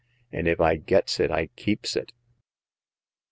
An' if I gets it I keeps it.